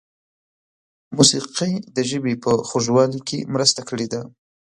موسیقۍ د ژبې په خوږوالي کې مرسته کړې ده.